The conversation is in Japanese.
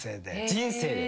人生で。